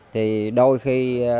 thì đôi khi